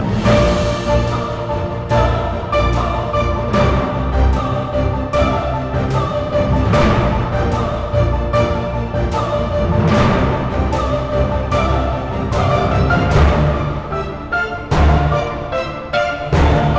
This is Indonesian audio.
nah bisa mencoba aja